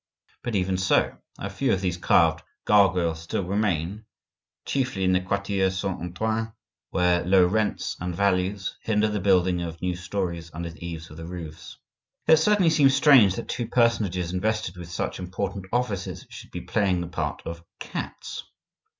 But even so, a few of these carved gargoyles still remain, chiefly in the quartier Saint Antoine, where low rents and values hinder the building of new storeys under the eaves of the roofs. It certainly seems strange that two personages invested with such important offices should be playing the part of cats.